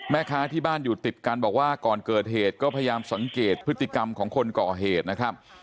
แม่ค้าที่บ้านอยู่ติดกันบอกว่าก่อนเกิดเหตุก็พยายามสังเกตพฤติกรรมของคนก่อเหตุนะครับ